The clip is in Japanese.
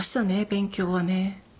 勉強はね。